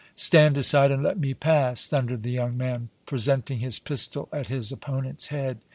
"Stand aside and let me pass!" thundered the young man, presenting his pistol at his opponent's head.